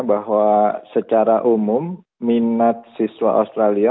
bahwa secara umum minat siswa australia